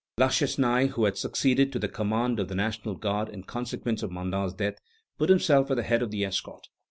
La Chesnaye, who had succeeded to the command of the National Guard in consequence of Mandat's death, put himself at the head of the escort.